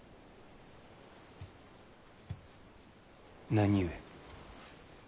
何故？